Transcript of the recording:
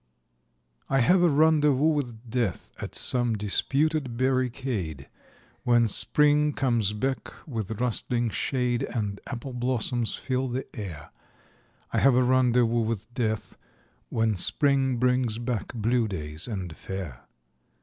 I have a rendezvous with Death At some disputed barricade, When Spring comes back with rustling shade And apple blossoms fill the air I have a rendezvous with Death When Spring brings back blue days and fair.